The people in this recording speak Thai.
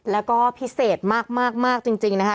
แล้วก็พิเศษมากจริงนะคะ